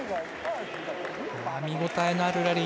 見応えのあるラリー